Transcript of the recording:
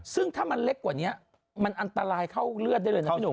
ซึ่งถ้ามันเล็กกว่านี้มันอันตรายเข้าเลือดได้เลยนะพี่หนุ่ม